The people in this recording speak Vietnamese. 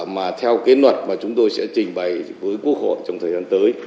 mà theo cái luật mà chúng tôi sẽ trình bày với quốc hội trong thời gian tới